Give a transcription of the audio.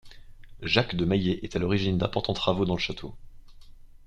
Jacques de Maillé est à l'origine d'importants travaux dans le château.